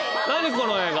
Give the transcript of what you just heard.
この映画。